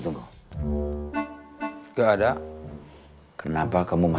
semoga kemaafan anda